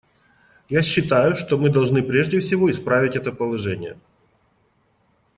Я считаю, что мы должны прежде всего исправить это положение.